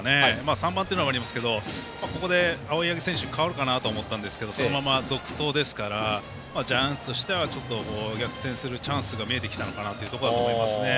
３番っていうのもありますけどここで青柳選手代わるかなと思ったんですがそのまま続投ですからジャイアンツとしてはちょっと逆転するチャンスが見えてきたのかなと思いますね。